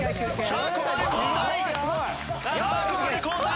さあここで交代。